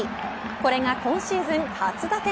これが今シーズン初打点。